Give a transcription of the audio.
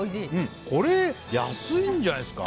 これ安いんじゃないですか？